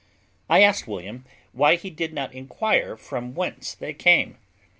I asked William why he did not inquire from whence they came.